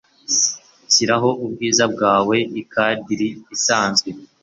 Shiraho ubwiza bwawe ikadiri isanzwe